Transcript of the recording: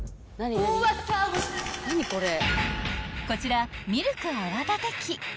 ［こちら］